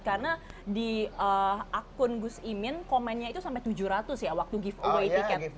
karena di akun gus imin komennya itu sampai tujuh ratus ya waktu giveaway itu